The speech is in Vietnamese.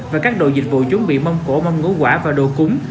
và các đồ dịch vụ chuẩn bị mâm cổ mâm ngũ quả và đồ cúng